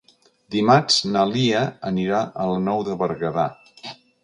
Dimarts na Lia anirà a la Nou de Berguedà.